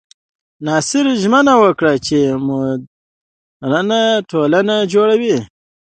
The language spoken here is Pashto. ناصر ژمنه وکړه چې موډرنه ټولنه جوړوي.